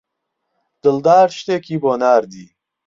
دڵدار شتێکی بۆ ناردی.